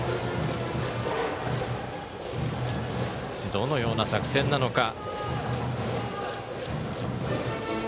どのような作戦なのか。